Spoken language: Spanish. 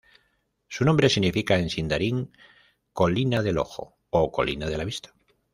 Su nombre significa en sindarin ‘Colina del ojo’ o ‘colina de la vista’.